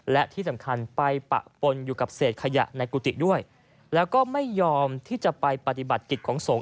และที่สำคัญไปปะปนอยู่กับเศษขยะในกุฏิด้วยแล้วก็ไม่ยอมที่จะไปปฏิบัติกิจของสงฆ